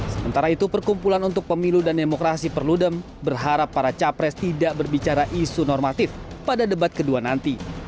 sementara itu perkumpulan untuk pemilu dan demokrasi perludem berharap para capres tidak berbicara isu normatif pada debat kedua nanti